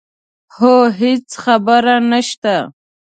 هو هېڅ خبره نه شته.